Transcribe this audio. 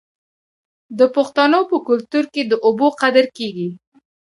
د پښتنو په کلتور کې د اوبو قدر کیږي.